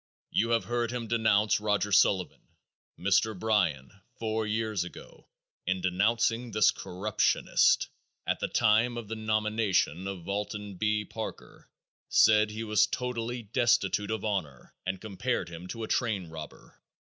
You have heard him denounce Roger Sullivan. Mr. Bryan, four years ago, in denouncing this corruptionist, at the time of the nomination of Alton B. Parker, said he was totally destitute of honor and compared him to a train robber.